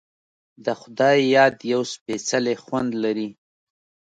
د خدای یاد یو سپیڅلی خوند لري.